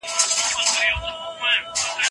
ایا مهاراجا به خپلې ژمنې پوره کړي؟